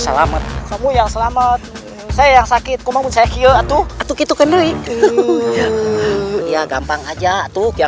selamat kamu yang selamat saya yang sakit kumau saya kira tuh itu kinerik ya gampang aja tuh ya